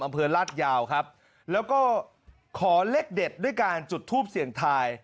ลาดยาวครับแล้วก็ขอเลขเด็ดด้วยการจุดทูปเสี่ยงทาย